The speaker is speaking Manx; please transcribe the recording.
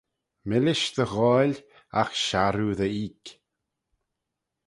Millish dy ghoaill, agh sharroo dy eeck